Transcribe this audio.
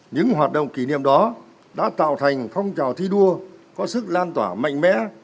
những hoạt động kỷ niệm đó đã tạo thành phong trào thi đua có sức lan tỏa mạnh mẽ